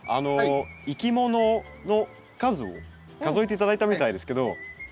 いきものの数を数えて頂いたみたいですけど。